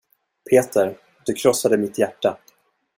Peter, du krossade mitt hjärta.